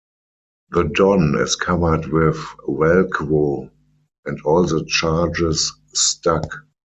The don is covered with Velcro, and all the charges stuck.